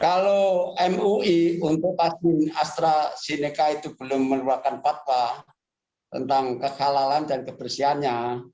kalau mui untuk pasien astrazeneca itu belum mengeluarkan fatwa tentang kehalalan dan kebersihannya